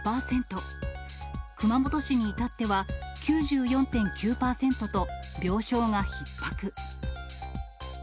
熊本市にいたっては９４．９％と、病床がひっ迫。